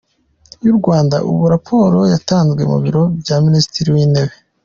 y’u Rwanda.Ubu raporo yatanzwe mu biro bya Minisitiri w’Intebe